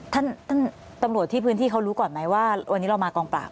ท่านท่านตำรวจที่พื้นที่เขารู้ก่อนไหมว่าวันนี้เรามากองปราบ